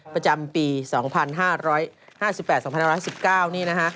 ประจำปี๒๕๕๘๒๑๑๙นี่นะฮะ